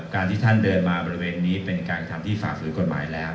การที่ท่านเดินมาบริเวณนี้เป็นการกระทำที่ฝ่าฝืนกฎหมายแล้ว